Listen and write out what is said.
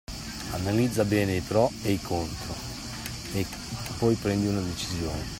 Analizza bene i pro e contro e poi prendi una decisione.